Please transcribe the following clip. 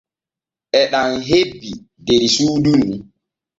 E ɗam hebbi der suudu ɗu.